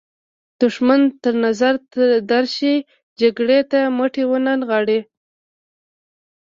دښمن تر نظر درشي جګړې ته مټې ونه نغاړئ.